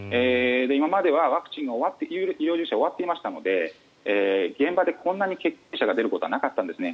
今まではワクチンは医療従事者は終わっていましたので現場でこんなに欠勤者が出てくることはなかったんですね。